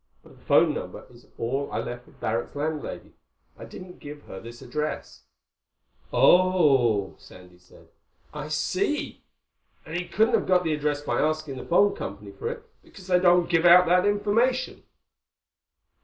"But the phone number is all I left with Barrack's landlady. I didn't give her this address." "Oh," Sandy said. "I see. And he couldn't have got the address by asking the phone company for it, because they don't give out that information."